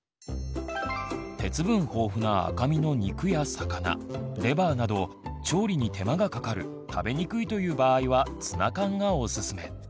鉄分豊富な赤身の肉や魚レバーなど調理に手間がかかる食べにくいという場合はツナ缶がおすすめ。